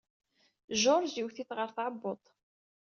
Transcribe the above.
George iwet-it ɣer tɛebbuḍt.